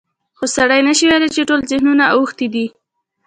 خو سړی نشي ویلی چې ټول ذهنیتونه اوښتي دي.